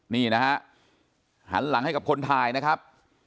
นี่นะฮะหันหลังให้กับคนถ่ายนะครับ